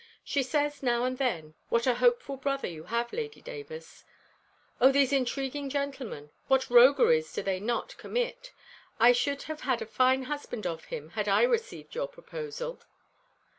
She says now and then, "What a hopeful brother you have, Lady Davers! O these intriguing gentlemen! What rogueries do they not commit! I should have had a fine husband of him, had I received your proposal!